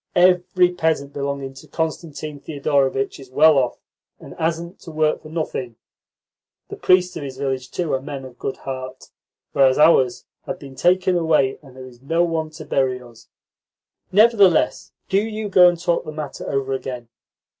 Every peasant belonging to Constantine Thedorovitch is well off, and hasn't to work for nothing. The priests of his village, too, are men of good heart, whereas ours have been taken away, and there is no one to bury us.'" "Nevertheless, do you go and talk the matter over again."